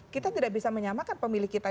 kita tidak bisa menyamakan pemilih kita